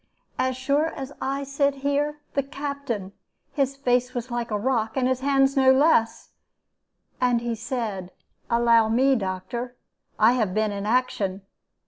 As sure as I sit here, the Captain! His face was like a rock, and his hands no less; and he said, 'Allow me, doctor. I have been in action.'